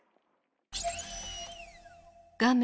画面